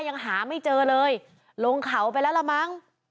ยังหาไม่เจอเลยลงเขาไปแล้วละมั้ง